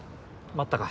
待ったか？